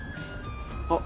あっ。